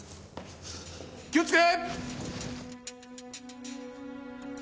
気をつけ！